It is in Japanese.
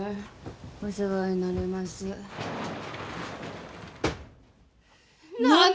お世話になります何で！？